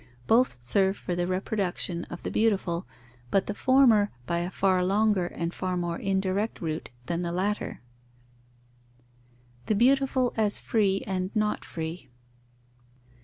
Both serve for the reproduction of the beautiful, but the former by a far longer and far more indirect route than the latter. _The beautiful as free and not free.